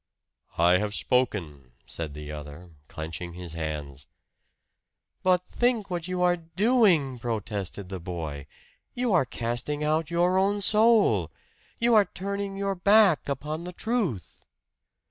"I have spoken," said the other, clenching his hands. "But think what you are doing!" protested the boy. "You are casting out your own soul! You are turning your back upon the truth!"